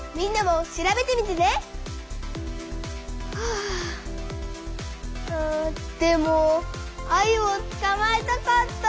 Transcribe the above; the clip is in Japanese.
あでもアユをつかまえたかった。